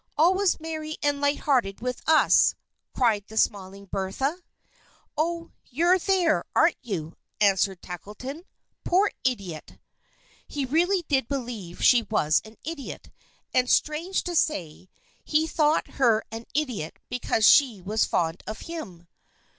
"Always merry and light hearted with us!" cried the smiling Bertha. "Oh, you're there, are you?" answered Tackleton. "Poor idiot!" He really did believe she was an idiot; and, strange to say, he thought her an idiot because she was fond of him.